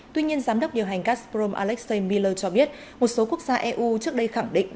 tuy nhiên giám đốc điều hành gazprom alexei miller cho biết một số quốc gia eu trước đây khẳng định